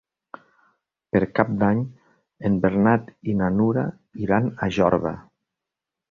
Per Cap d'Any en Bernat i na Nura iran a Jorba.